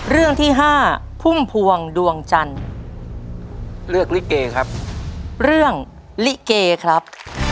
เรื่องลิเกครับ